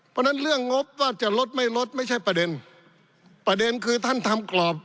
เพราะฉะนั้นเรื่องงบว่าจะลดไม่ลดไม่ใช่ประเด็นประเด็นคือท่านทำกรอบ